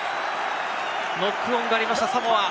ノックオンがありました、サモア。